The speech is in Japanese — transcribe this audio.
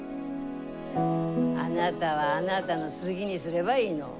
あなたはあなたの好ぎにすればいいの。